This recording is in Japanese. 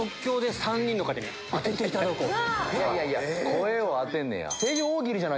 声をあてんねや。